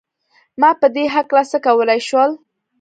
ما په دې هکله څه کولای شول؟